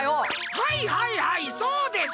はいはいはいそうです！